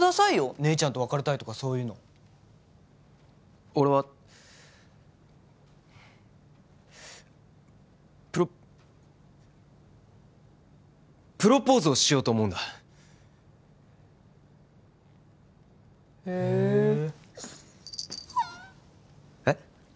姉ちゃんと別れたいとかそういうの俺はプロプロポーズをしようと思うんだへえっ？